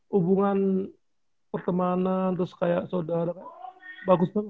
hubungan pertemanan terus kayak saudara kan bagus banget